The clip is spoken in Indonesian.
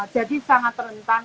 jadi sangat rentan